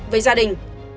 với gia đình